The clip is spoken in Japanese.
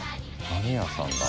何屋さんだ？